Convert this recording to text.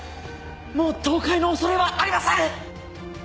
もう倒壊の恐れはありません！